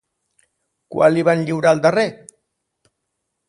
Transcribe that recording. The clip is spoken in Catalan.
Quan li van lliurar el darrer?